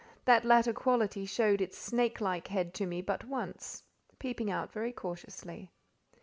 That latter quality showed its snake head to me but once, peeping out very cautiously.